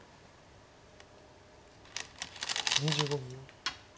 ２５秒。